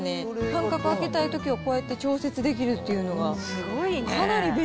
間隔空けたいときはこうやって調節できるっていうのが。